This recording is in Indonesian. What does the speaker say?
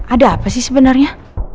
ada apa sih sebenarnya